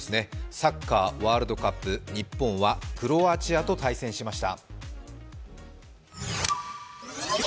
サッカーワールドカップ、日本はクロアチアと対戦しました。